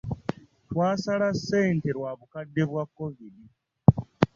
Twasala ssente lwa bukadde bwa kovidi.